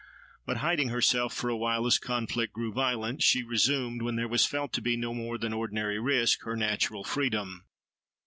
But, hiding herself for awhile as conflict grew violent, she resumed, when there was felt to be no more than ordinary risk, her natural freedom.